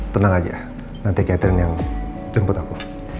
tenang aja nanti catherine yang jemput aku